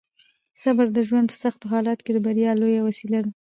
صبر د ژوند په سختو حالاتو کې د بریا لویه وسیله ده.